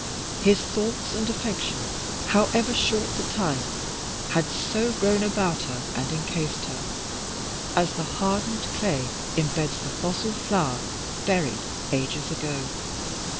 His thoughts and affections, however short the time, had so grown about her and encased her, as the hardened clay imbeds the fossil flower buried ages ago.